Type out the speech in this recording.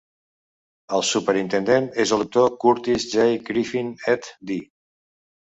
El superintendent és el doctor Curtis J. Griffin Ed.D.